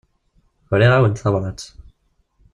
Uriɣ-awent tabrat.